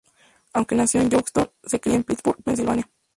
Aunque nació en Youngstown, se crio en Pittsburgh, Pennsylvania.